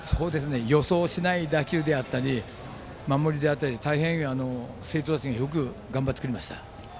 予想しない打球であったり守りであったり大変、生徒たちがよく頑張ってくれました。